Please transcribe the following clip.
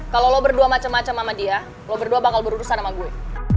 kalo lo berdua macem macem sama dia lo berdua bakal berurusan sama gue